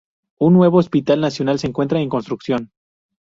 Un Nuevo Hospital Nacional se encuentra en construcción.